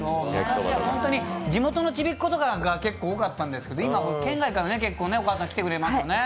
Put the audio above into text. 昔は地元のちびっ子とか結構多かったんですけど今は県外から結構お客さん来てくれますよね。